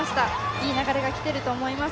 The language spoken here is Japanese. いい流れが来ていると思います。